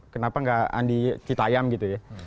kenapa nggak andi citayam gitu ya